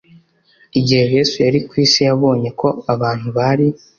igihe yesu yari ku isi yabonye ko abantu bari